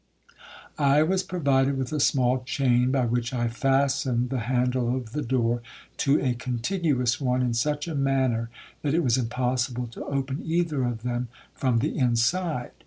I was provided with a small chain, by which I fastened the handle of the door to a contiguous one, in such a manner, that it was impossible to open either of them from the inside.